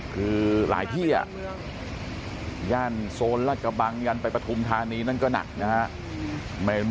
คือหลายที่อ่ะย่านโซนรัฐกะบังยันไปประทุมธานีนั่นก็หนักนะฮะ